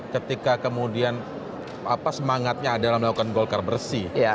ketika kemudian semangatnya adalah melakukan golkar bersih